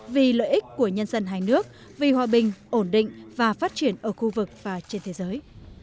vì lợi ích của nhân dân hai nước vì hòa bình ổn định và phát triển ở khu vực và trên thế giới